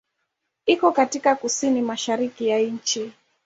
Iko katika kusini-mashariki ya nchi.